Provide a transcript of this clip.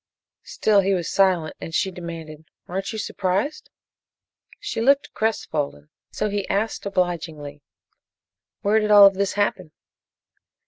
Still he was silent, and she demanded: "Aren't you surprised?" She looked crestfallen, so he asked obligingly: "Where did all of this happen?"